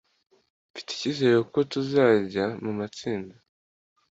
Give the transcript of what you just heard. Mfite icyizere ko tuzajya mu matsinda